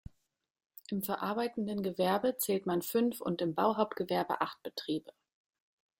Im verarbeitenden Gewerbe zählte man fünf und im Bauhauptgewerbe acht Betriebe.